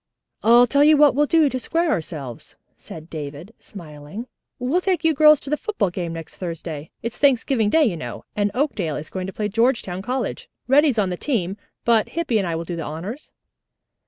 "I'll tell you what we'll do to square ourselves," said David, smiling. "We'll take you girls to the football game next Thursday. It's Thanksgiving Day, you know, and Oakdale is going to play Georgetown College. Reddy's on the team, but Hippy and I will do the honors."